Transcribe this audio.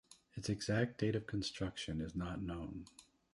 Its exact date of construction is not known.